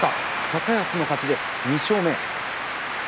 高安の勝ちです、２勝目。